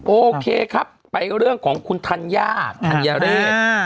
โอเคครับไปเรื่องของคุณธัญญาธัญเรศ